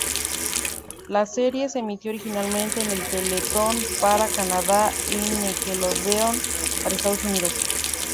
La serie se emitió originalmente en Teletoon para Canadá y Nickelodeon para Estados Unidos.